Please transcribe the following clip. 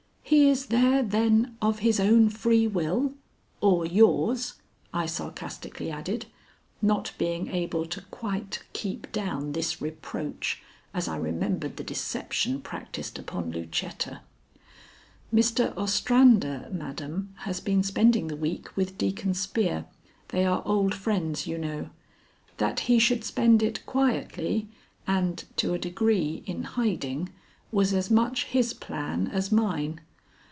"He is there, then, of his own free will or yours?" I sarcastically added, not being able to quite keep down this reproach as I remembered the deception practised upon Lucetta. "Mr. Ostrander, madam, has been spending the week with Deacon Spear they are old friends, you know. That he should spend it quietly and, to a degree, in hiding, was as much his plan as mine.